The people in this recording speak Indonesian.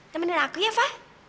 temenin aku ya fa